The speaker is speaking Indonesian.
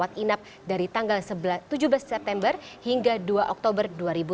setia novanto menjalani operasi dan rawat inap dari tanggal tujuh belas september hingga dua oktober dua ribu tujuh belas